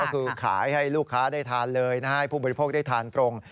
ก็คือขายให้ลูกค้าได้ทานเลยให้ผู้บริโภคได้ทานตรง